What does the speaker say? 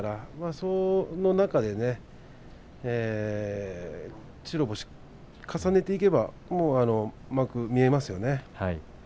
その中で白星を重ねていけば幕が見えますよね。